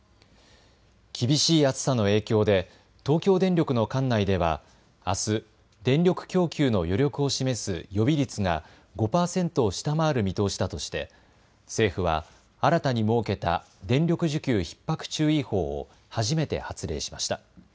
厳しい暑さの影響で東京電力の管内ではあす、電力供給の余力を示す予備率が５％を下回る見通しだとして政府は新たに設けた電力需給ひっ迫注意報を初めて発令しました。